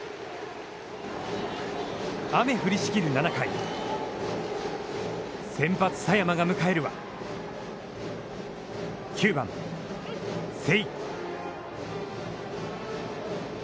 雨降りしきる７回先発佐山が迎えるは、９番瀬井。